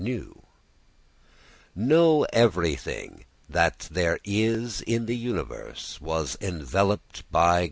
_Know everything that there is in the universe as enveloped by God.